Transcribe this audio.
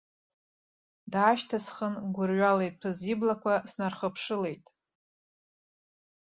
Даашьҭысхын гәырҩала иҭәыз иблақәа снархыԥшылеит.